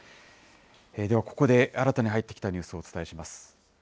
ではここで新たに入ってきたニュースをお伝えします。